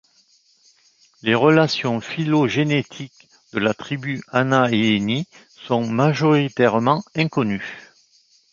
Les relations phylogénétiques de la tribu Anaeini sont majoritairement inconnues.